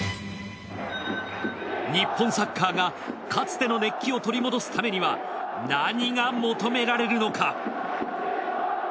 日本サッカーがかつての熱気を取り戻すためには何が求められるのか？